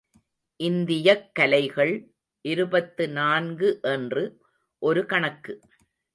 இந்தியக் கலைகள் இருபத்தி நான்கு என்று ஒரு கணக்கு.